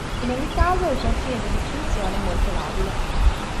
In ogni caso, il confine di distinzione è molto labile.